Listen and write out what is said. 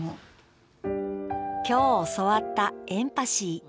今日教わったエンパシー。